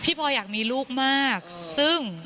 พลอยอยากมีลูกมากซึ่ง